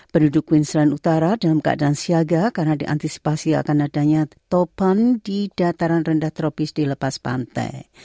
penduduk queensland utara dalam keadaan siaga karena diantisipasi akan adanya topan di dataran rendah tropis di lepas pantai